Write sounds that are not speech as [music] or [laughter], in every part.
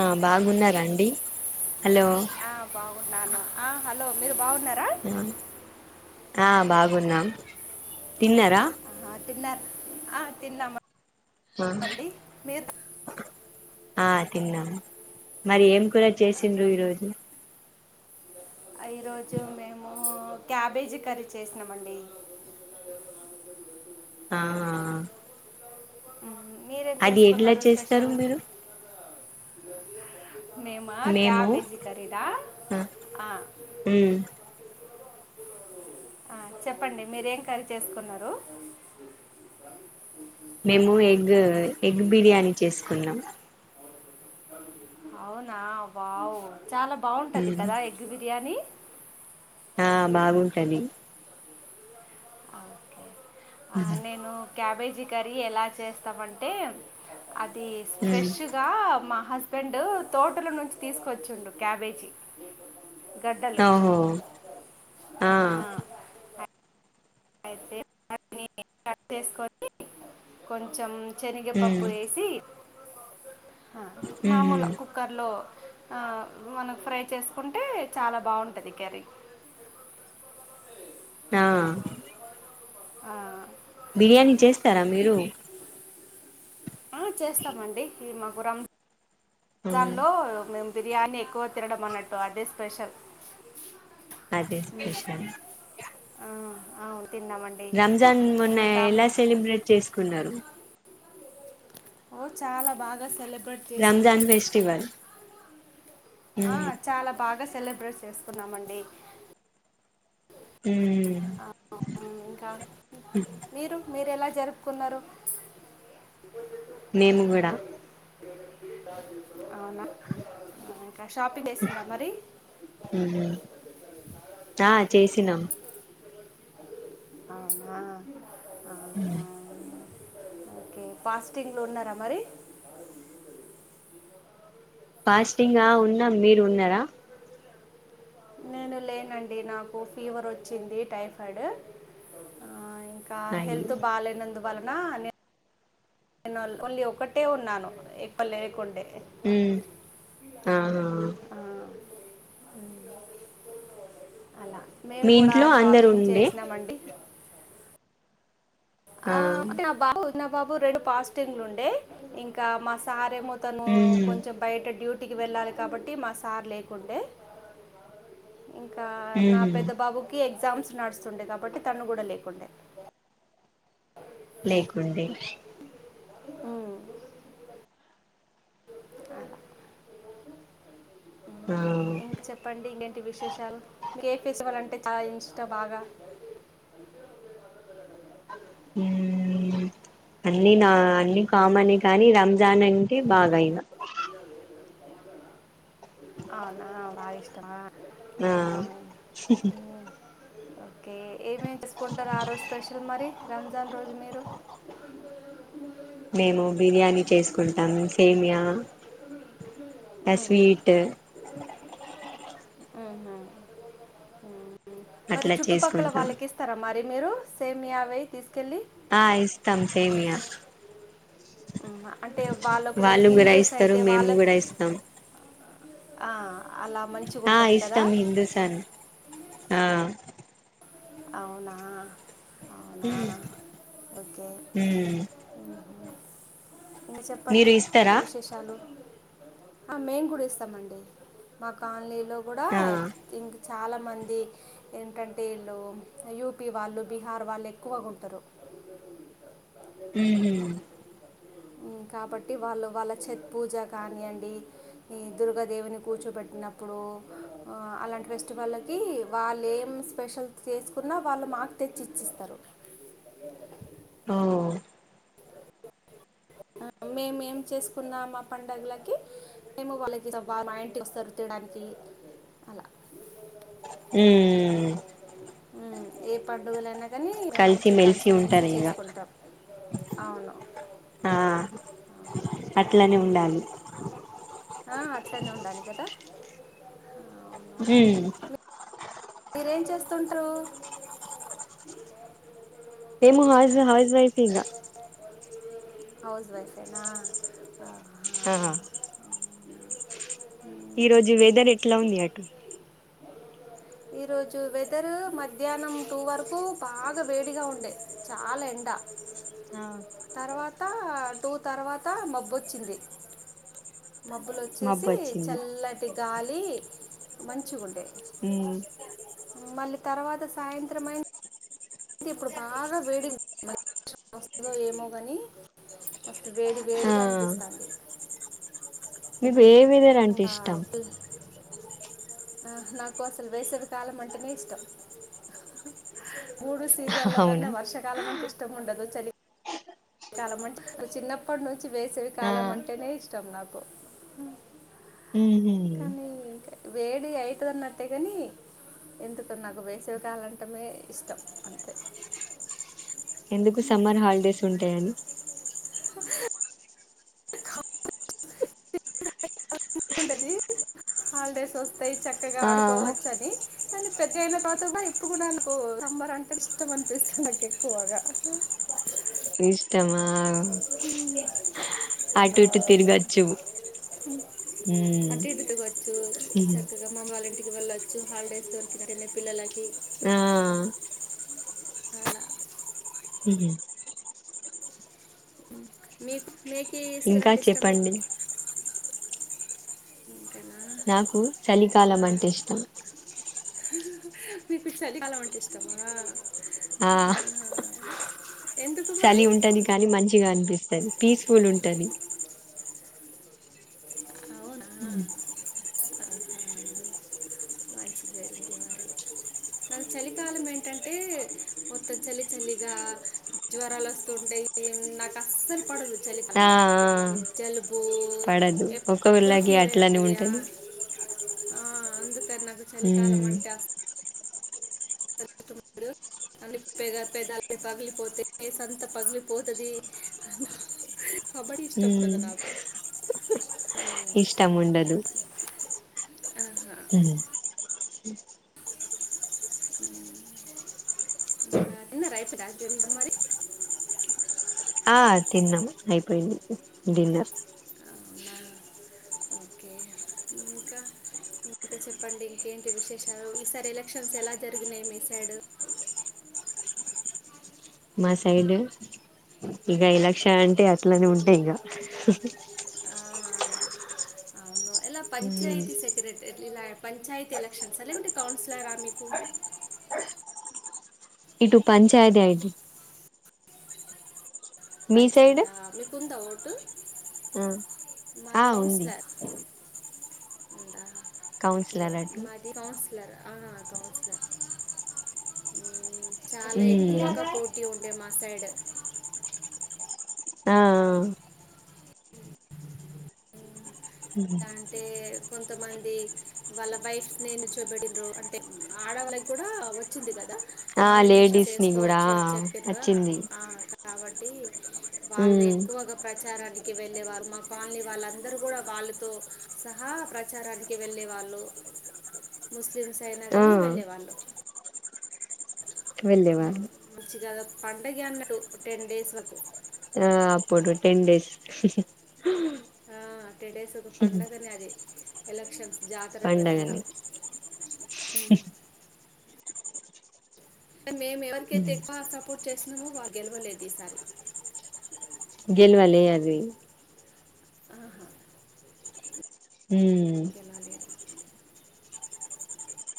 ఆ బాగున్నారాండి ఆ బాగున్నాను ఆ హలో మీరు బాగున్నార ఆ ఆ బాగున్నాం తిన్నరా ఆ తిన్నారు ఆ ఆ తిన్నామండి మీరు ఆ తిన్నాము మరి ఏం కూర చేసిండ్రు ఆహా. ఈరోజు ఈరోజు మేము క్యాబేజీ కర్రీ చేసినామండి [inaudible] ఆ హ్ అది ఎట్లా చేస్తారు మీరు బ [inaudible] మేమ మేము క్యాబేజి కరీదా మ్మ్ చెప్పండి మీరేం కర్రి చేసుకున్నారు [inaudible] మేము ఎగ్ ఎగ్ బిర్యానీ చేసుకున్నాం అవునా వావ్ చాలా బాగుంటది మ్మ్ కదా ఎగ్ బిర్యానీ ఆ బాగుంటది ఆ నేను క్యాబేజీ కర్రీ ఎలా చేస్తామంటే అది మ్మ్ ఫ్రెష్గా మా హస్బెండ్ తోటల నుంచి తీసుకొచ్చుండు క్యాబేజీ గడ్డలు ఓహో ఆ అయితే ద కట్ చేసుకొని కొంచెం చెనగ మ్మ్ పప్పు వేసి ఆ మామూలు మ్మ్ కుక్కర్ లో ఆ మనం ఫ్రై చేసుకుంటే చాలా బాగుంటది కర్రీ అ [unintelligible] ఆ ఆ బిర్యానీ చేస్తారా మీరు ఆ చేస్తామండి ఈ మా గురం దాన్లో మేము బిర్యానీ ఎక్కువ తినడం అన్నట్టు అదే స్పెషల్ అదే స్పెషల్ ఆ అవును తిన్నామండి రంజాన్ ఉమ్, మొన్న ఇంకా ఎలా మీకు సెలిబ్రేట్ చేసుకున్నారు ఓ చాలా బాగా సెలబ్రేట్ చేసుకున్నాం రంజాన్ ఫెస్టివల్ ఆ మ్మ్ చాలా బాగా సెలబ్రేట్ చేసుకున్నామండి హ్మ్మ్ అవును ఇంకా మీరు మీర ఎలా జరుపుకున్నారు నేను కూడా [unintelligible] అవునా ఇంకా షాపింగ్ చేసావా మరి మ్మ్ ఆ చేసినా అవున్న హామ్ ఓకే ఫాస్టింగ్లో ఉన్నారా మరి ఫాస్టింగ్ ఉన్నాం మీరు ఉన్నారా నేను లేనండి నాకు ఫీవర్ వచ్చింది టైఫాయిడ్ ఇంకా అయ్యో హెల్త్ బాలేనందువలన అని నేను ఓన్లీ ఒక్కటే ఉన్నాను ఎక్క లేకుండే హమ్మ్ ఆ ఆ, అలా మేము మీ కూడా ఇంట్లో అందరు షాపింగ్ ఉండే చేసినామండి ఆ నా బాబు నా బాబు రెండు పాస్టింగ్లు ఉండే ఇంకా మా సారి మో మ్మ్ కొంచెం బయట డ్యూటీ కీ వెళ్ళాల్కబాటి మా సార్ లేకుండే ఇంకా నా మ్మ్ పెద్ద బాబుకి ఎగ్జామ్స్ నడుస్తుండే కాబట్టి తను కూడా లేకుండే లేకుండే హ్మ్మ్ ఆ ఇంక చెప్పండి ఇంకేంటి విశేషాలు ఇంక ఏ ఫెసిటివల్ అంటే అ ఇష్టం బాగా హమ్మ్ అన్ని నా అన్ని కామనే కానీ రంజాన్ అంటే బాగాయినా అవునా బాగా ఇష్టమా ఆ ఆహా. మ్మ్. ఓకే ఏమేమి చేసుకుంటారు ఆ రోజు స్పెషల్ మరి రంజాన్ రోజు మీరు మేము బిర్యానీ చేసుకుంటాము సేమియా ఆ మ్మ్. స్వీట్ మరి అట్లా చుట్టుపక్కల చేసుకుంటాం వాళ్ళకి ఇస్తారా మరి మ మీరు సేమ్ అవే తీసుకెళ్ళి ఆ ఇస్తాం సేమియా ఉ అంటే వాళ్ళకి ఒకవేళ వాళ్ళు కూడా హిందూస్ ఇస్తారు అయితే వాళ్ళ మేము కూడా ఇస్తాం ఆ అలా మంచిగా ఆ ఉంటుంది కదా ఇష్టటమ్ హిందూస్తాన్ ఆ అవునా అవునా ఓకే మ్మ్ ఇకా చెప్పండి మీరు ఏంటి ఇస్తారా విశేషాలు మేము కూడా వస్తామండి మా కాలనీలో కూడా ఆ ఇం చాలామంది ఏంటంటే ఇళు యూపీ వాళ్ళు బీహార్ వాళ్ళు ఎక్కువగా ఉంటరు ఉ హ్మ్ కాబట్టి వాళ్ళు వాళ్ళ చెత్ పూజ కానియండి ఈ దుర్గాదేవిని కూర్చోబెట్టిన న్నప్పుడు అలాంటి ఫెస్టివల్కి వాళ్ళు ఏం స్పెషల్ చేసుకున్న వాళ్ళు మా మాక్ తెచ్చి ఇచ్చిస్తారు ఓ మేమేం చేసుకున్నా మా పండుగలకి మేము వాళ్ళకి మా ఇంటికి వస్తారు తినడానికి అలా ఊ ఉ ఏ పండుగలన్న కాని కలిసి మంచి మెలిసి కలిసిమెలిసి ఉంటారు ఇగ చేసుకుంటాం అవునవును ఆ అట్లనే ఉండాలి ఆ అట్లనే ఉండాలి కదా మ్మ్ మీరేం చేస్తుంట్రు మేము హౌజ్ హౌజ్ వైఫ్ ఇగా హౌస్ వైఫేనా హా ఈ రోజు ఉమ్, వెదర్ ఎట్లా ఉంది అటు ఈరోజు వెదర్ మధ్యాహ్నం టూ వరకు బాగా వేడిగా ఉండే చాలా ఎండ ఆ తర్వాత టూ తర్వాత మబ్బొచ్చింది మబ్బులు మబ్బు వచ్చేసి వచ్చింది చల్లటి గాలి మంచిగా ఉండే ఉ మళ్ళీ తర్వాత సాయంత్రం అయి అయితే ఇప్పుడు బాగా వేడి వస్తుందో ఏమో కాని మస్తు వేడి ఆ వేడిగా అనిపిస్తాంది మీ ఏ వేదర్ అంటే ఇష్టం ఆ నాకు అసలు వేసవికాలం అంటేనే ఇష్టం మూడు సీజన్ల కన్నా అవునా వర్షకాలం అంటే ఇష్టం ఉండదు చలి డాలమ్ అంటే చిన్నప్పటి నుంచి వేసేవి ఆ కాలం అంటేనే ఇష్టం నాకు ఉ కానీ వేడి అయితదిన్నట్టే కాని ఎందుకో నాకు వేసవికాలంటే ఇష్టం అంతే ఎందుకు సమ్మర్ హాలిడేస్ ఉంటాయని ఉంటది హాలిడేస్ వస్తాయి చక్కగా ఆ ఆడుకోవచ్చు అని కానీ పెద్ద అయిన తర్వాత కూడా ఇప్పుడు కూడా నాకు సమ్మర్ అంటే ఇష్టం అనిపిస్తుంది నాకు ఎక్కువగా ఇష్టమా ఉమ్. అటు ఇటు అవును తిరగచ్చు. ఉమ్ అటు ఇటు తిరగోచ్చు ఉహు చక్కగా మా అమ్మ వాళ్ళ ఇంటికి ది వాళ్ళు వచ్చు హాలిడేస్ దొరికిన పిల్లలకి ఆ ఆ ఉహు మీకు మీకి ఇంకా సీజన్ ఇష్టం మీకు చెప్పండి నాకు ఇంకా చలికాలం అంటే ఇష్టం. మీకు చలి కాలం అంటే ఇష్టమా ఆ ఆహా. ఎందుకు మరి చలి ఉంటది కానీ మంచిగా అనిపిస్తది పీస్ఫుల్ ఉంటది అవునా ఉ మంచిదే అయితే మరి నాకు చలికాలం ఏంటంటే మొత్తం చలి చలిగా జ్వరాలు వస్తుంటాయి నాకు అస్సలు పడదు ఆ చలికాలం జలుబు పడదు ఎప్పుడు ఒకవేల్ళకి అట్లనే ఉంటది. ఆ అందుకని నాకు చలికాలం ఉమ్ అంటే అస్ అని పె పెదల్ని పగిలిపోతే ఫేస్ సంత పగిలిపోతుంది అ కబడ్డి ఇష్టం కదా నాకు ఉమ్, ఇష్టము ఉండదు. ఆహా. ఉమ్ ఇంకా తిన్నర అయిపోడా అదంత మరి ఆ తిన్నాం అయిపోయింది తిన్- డిన్నర్ అవునా ఓకే ఇంకా ఓకే చెప్పండి ఇంకేంటి విశేషాలు ఈసారి ఎలక్షన్స్ ఎలా జరిగినాయి మీ సైడ్ మా సైడ్ ఇక ఎలక్షన్స్ అంటే అట్లనే ఉంటాయి ఇక అవును ఎలా ఉమ్ పంచయతీ సెక్రటరీ ఇలా పంచాత్ ఎలక్షన్స్ అ లేకుంటే కౌన్సలరా మీకు ఇటు పంచాయితీ అయిది సైడ్ పంచాయత మీకుందా ఓటు ఆ మాది ఆ ఉంది కౌన్సిలర్ ఉందా కౌన్సిలర్ అటు అవునా కౌన్సిలరా చాలా ఎక్కువగా పోటీ ఉండే మా సైడ్ ఆ ఆ ఉ ఎలా అంటే కొంతమంది వాళ్ళ వైఫ్ నిల్చో పెట్టిండ్రు అంటే ఆడళ్ళకి కూడా వచ్చింది కదా ఆ నామినేషన్ లేడీస్ ని కూడా చేసుకోవచ్చు అని చెప్పిరు వచ్చింది ఆ కాబట్టి వాళ్ళు ఉమ్ ఎక్కువగా ప్రచారానికి వెళ్ళేవారు మా కాలనీ వాళ్ళందరు కూడా వాళ్ళతో సహా ప్రచారానికి వెళ్ళే వాళ్ళు జెంట్స్ అయినా ఆ కానీ వెళ్ళేవాళ్ళు ఆ వెళ్ళేవాళ్ళు మంచిగాద పండగ అన్నటు టెన్ డేస్ వరకు ఆ అపుడు టెన్ డేస్ ఆ డేస్ పండగనే అదే ఎలక్షన్స్ జాతర విరంగా పండగని మేము ఎవరికైతే ఎక్కువ సపోర్ట్ చేసన్నామో వారి గెలవలేదు ఈసారి గెల్వలే అవి ఆహా ఉం గెలవలేదు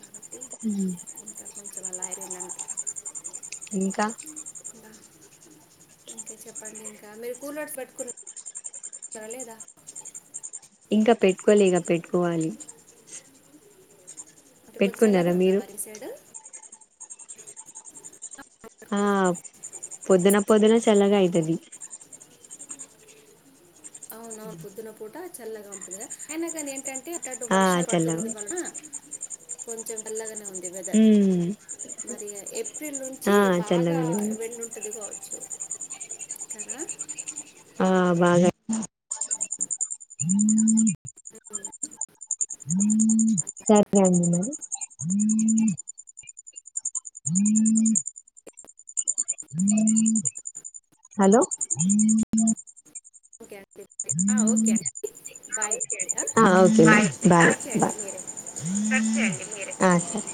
కాబట్టి ఉం ఇంకా కొంచెం అలా అందటటు ఇంకా ఇంకా చెప్పండి ఇంకా మీరు కూలర్స్ పెట్టుకున్న సర లేదా ఇంక పెట్టుకోలె ఇగ పెట్టుకోవాలి. అంటె కొద్ చల్లగ పెట్టుకున్నారా నుంద మీరు మరి ఇట్ సైడు, ఆ పొద్దున పొద్దున చల్లగ అయితది. ఔన్ ఔన్ పొద్దున పూట చల్లగ ఉంటుంది. గద అయిన కాని ఏంటంటె? అయితె అక్కడు ఆ వర్షాల్ చల్లగా పడుతుంద వలన కొంచెం చల్లగానే ఉంది. ఈ వెదర్ ఉమ్ మరి ఏప్రిల్ నుంచీ, ఆ బాగా చల్లగానే ఉంది వెండ ఉంటది చ్చు కదా, ఆ బాగే సరె అండి మరి హలో ఓకె అండి ఆ ఓకె అండి బాయ్ బాయ్ ఆ ఓకె అండి బాయ్, బాయ్ కట్ చేయండి బాయ్ మీరే కట్ చేయండి మీరె ఆ సరె